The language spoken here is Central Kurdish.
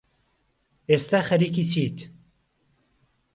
ئێستا خەریکی چیت؟